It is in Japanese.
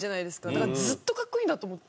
だからずっとかっこいいんだと思って。